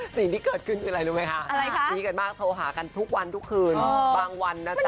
สิ่งที่เกิดขึ้นคืออะไรรู้ไหมคะดีกันมากโทรหากันทุกวันทุกคืนบางวันนะจ๊